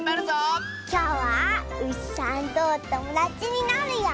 きょうはうしさんとおともだちになるよ！